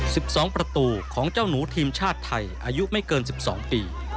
สิบสองประตูของเจ้าหนูทีมชาติไทยอายุไม่เกินสิบสองปี